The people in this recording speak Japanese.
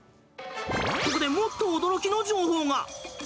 ここで、もっと驚きの情報が！